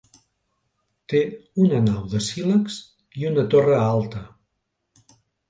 Té una nau de sílex i una torre alta.